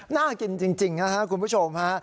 น่ากินจริงคุณผู้ชมฮะ